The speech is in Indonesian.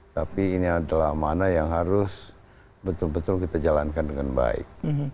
tapi ini adalah mana yang harus betul betul kita jalankan dengan baik